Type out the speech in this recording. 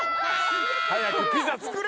早くピザ作れ！